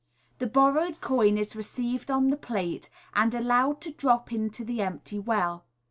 The borrowed coin is received on the plate, and allowed to drop into the empty well.